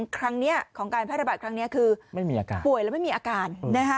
ครั้งนี้ของการพยาบาลครั้งนี้คือป่วยแล้วไม่มีอาการ